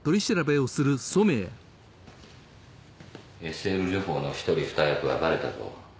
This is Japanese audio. ＳＬ旅行の一人二役はバレたぞ。